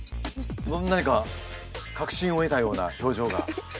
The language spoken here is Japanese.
何か確信を得たような表情が。